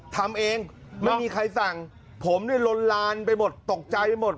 ทำเองไม่มีใครสั่งผมเนี่ยลนลานไปหมดตกใจไปหมด